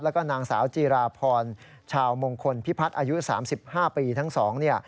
แล้วก็นางสาวจีราพรชาวมงคลพิพัฒน์อายุ๓๕ปีทั้งสอง